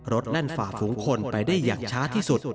แล่นฝ่าฝูงคนไปได้อย่างช้าที่สุด